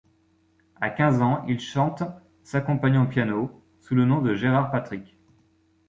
À quinze ans il chante s'accompagnant au piano, sous le nom de Gérard Patrick.